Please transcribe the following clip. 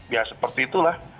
ya seperti itulah